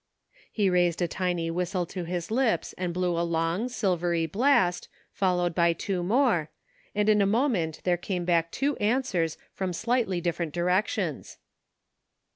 He raised a tiny whistle to his lips and blew a long, silvery blast, followed by two more, and in a moment there came back two answers from slightly different directions.